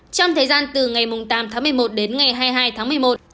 trong thời gian từ ngày tám tháng một mươi một đến ngày hai mươi hai tháng một mươi một